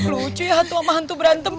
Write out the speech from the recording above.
lucu ya hantu hantu berantem